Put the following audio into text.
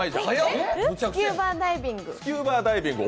スキューバダイビング！